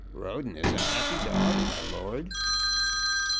"Roden is a happy dog, my lord."